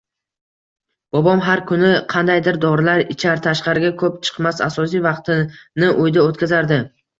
Bobom har kuni qandaydir dorilar ichar, tashqariga koʻp chiqmas, asosiy vaqtini uyda oʻtkazardi